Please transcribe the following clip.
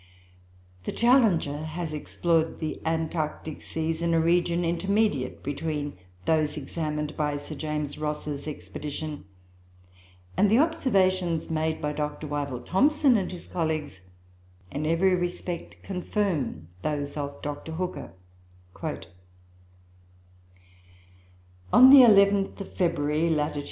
The Challenger has explored the Antarctic seas in a region intermediate between those examined by Sir James Ross's expedition; and the observations made by Dr. Wyville Thomson and his colleagues in every respect confirm those of Dr. Hooker: "On the 11th of February, lat.